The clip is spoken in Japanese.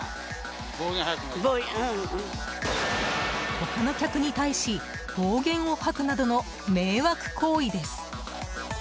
他の客に対し暴言を吐くなどの迷惑行為です。